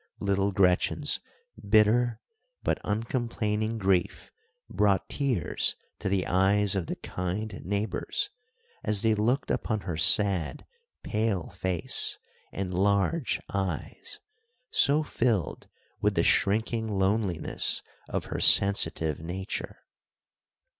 Little Gretchen's bitter, but uncomplaining grief brought tears to the eyes of the kind neighbors, as they looked upon her sad, pale face, and large eyes, so filled with the shrinking loneliness of her sensitive nature.